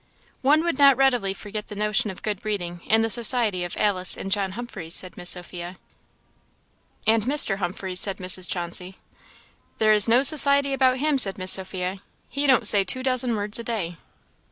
"One would not readily forget the notion of good breeding in the society of Alice and John Humphreys," said Miss Sophia. "And Mr. Humphreys," said Mrs. Chauncey. "There is no society about him," said Miss Sophia; "he don't say two dozen words a day."